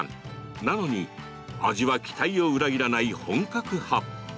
なのに、味は期待を裏切らない本格派。